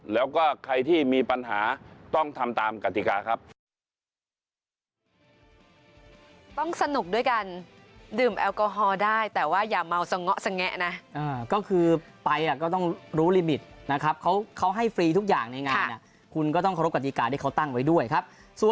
แล้วก็ใครที่มีปัญหาต้องทำตามกติกาครับ